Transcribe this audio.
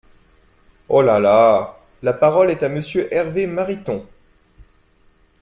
Oh là là ! La parole est à Monsieur Hervé Mariton.